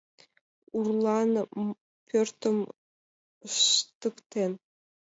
Урлан пӧртым ыштыктен